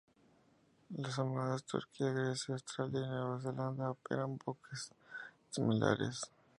Las armadas de Turquía, Grecia, Australia y Nueva Zelanda, operan buques similares.